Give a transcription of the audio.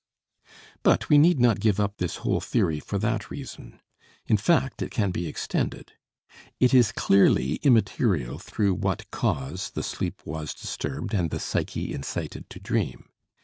But we need not give up this whole theory for that reason. In fact, it can be extended. It is clearly immaterial through what cause the sleep was disturbed and the psyche incited to dream.